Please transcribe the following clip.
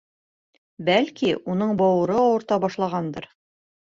Бәлки, уның бауыры ауырта башлағандыр.